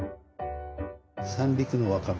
三陸のわかめ